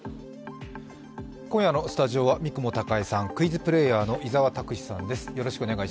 今夜のスタジオは三雲孝江さん、クイズプレーヤーの伊沢拓司さんです。